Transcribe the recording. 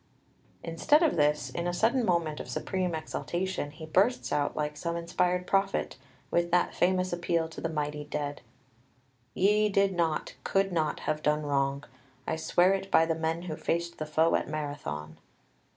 Instead of this, in a sudden moment of supreme exaltation he bursts out like some inspired prophet with that famous appeal to the mighty dead: "Ye did not, could not have done wrong. I swear it by the men who faced the foe at Marathon!"